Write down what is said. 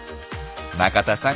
中田さん